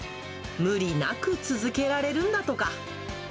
無理なく続けられるんだとか。